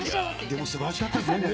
でもすばらしかったですよね。